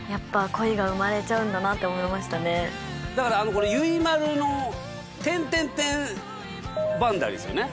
だからゆいまるのテンテンテンバンダリですよね。